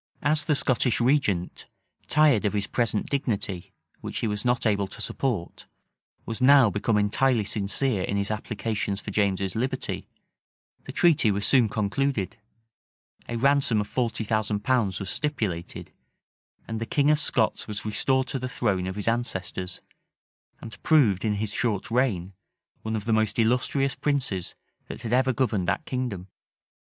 [*] As the Scottish regent, tired of his present dignity, which he was not able to support, was now become entirely sincere in his applications for James's liberty, the treaty was soon concluded; a ransom of forty thousand pounds was stipulated;[] and the king of Scots was restored to the throne of his ancestors, and proved, in his short reign, one of the most illustrious princes that had ever governed that kingdom.